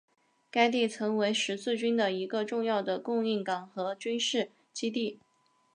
该地曾为十字军的一个重要的供应港和军事基地。